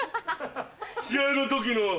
試合の時の。